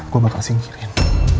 gue bakal singkirin